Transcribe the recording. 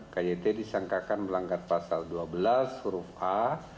kyt disangkakan melanggar pasal dua belas huruf a